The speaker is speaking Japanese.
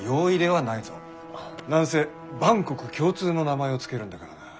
何せ万国共通の名前を付けるんだからな。